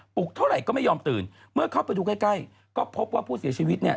ลุกเท่าไหร่ก็ไม่ยอมตื่นเมื่อเข้าไปดูใกล้ใกล้ก็พบว่าผู้เสียชีวิตเนี่ย